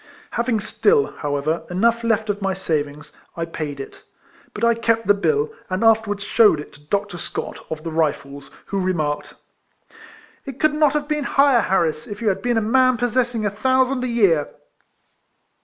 Having stiU, however, enough left of my savings, I paid it; but I kept the bill, and afterwards shewed it to Dr. Scott, of the Rifles, who remarked —" It could not have been higher, Harris, if you had been a man possessing a thousand a year."